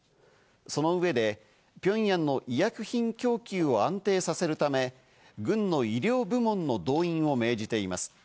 その上で、ピョンヤンの医薬品供給を安定させるため、軍の医療部門の動員を命じています。